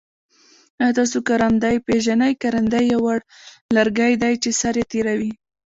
آیا تاسو کرندی پیژنی؟ کرندی یو وړ لرګی دی چه سر یي تیره وي.